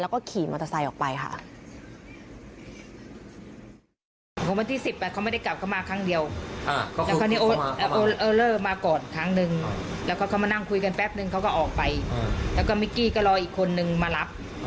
แล้วก็ขี่มอเตอร์ไซค์ออกไปค่ะ